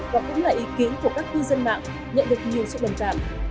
và cũng là ý kiến của các cư dân mạng nhận được nhiều sự bình tạm